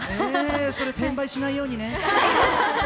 それ転売しないようにね。